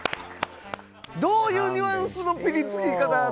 どういうニュアンスのぴりつき方？